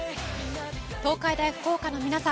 東海大福岡の皆さん